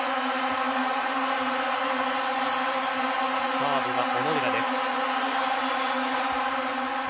サーブは小野寺です。